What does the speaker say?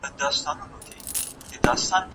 استازي څنګه د ښځو حقونه خوندي ساتي؟